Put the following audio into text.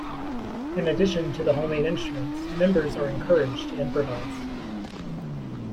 In addition to the homemade instruments, members are encouraged to improvise.